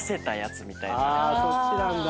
そっちなんだ。